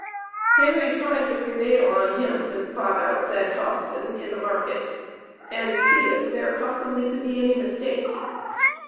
Henry tried to prevail on him to spot out said Hobson, in the market, and see if there possibly could be any mistake.